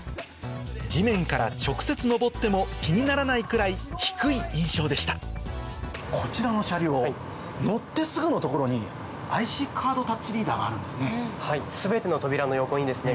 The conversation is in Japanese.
地面から直接上っても気にならないくらい低い印象でしたこちらの車両乗ってすぐのところにＩＣカードタッチリーダーがあるんですね。